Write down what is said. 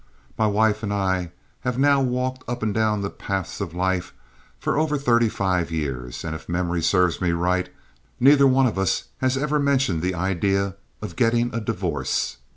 My wife and I have now walked up and down the paths of life for over thirty five years, and, if memory serves me right, neither one of us has ever mentioned the idea of getting a divorce.